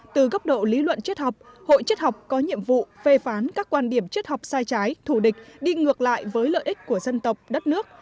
từ góc độ lý luận chất học hội chết học có nhiệm vụ phê phán các quan điểm triết học sai trái thù địch đi ngược lại với lợi ích của dân tộc đất nước